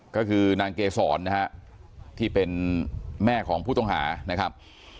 ก็คือนางเกษรนะฮะที่เป็นแม่ของผู้ต้องหานะครับ